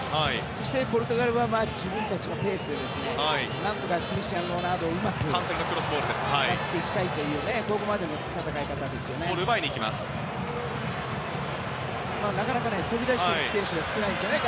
そしてポルトガルは自分たちのペースで何とかクリスティアーノ・ロナウドをうまく使っていきたいというここまでの戦い方ですね。